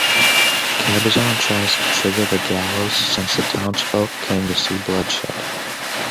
Cabazon tries to trigger the gallows, since the townsfolk came to see bloodshed.